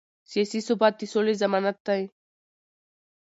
سیاسي ثبات د سولې ضمانت دی